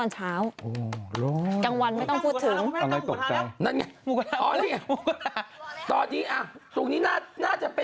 โหโห